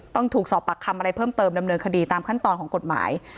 ต้องถูกสอบปากคำอะไรเพิ่มเติมดำเนินคดีตามขั้นตอนของกฎหมาย